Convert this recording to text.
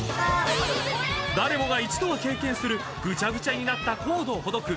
［誰もが一度は経験するぐちゃぐちゃになったコードをほどく］